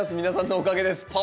皆さんのおかげです。